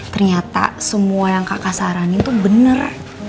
ternyata semua yang kakak saranin tuh bener